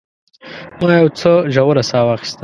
ما یو څه ژوره ساه واخیسته.